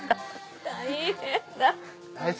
大変だ。